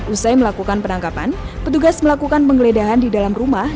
usai melakukan penangkapan petugas melakukan penggeledahan di dalam rumah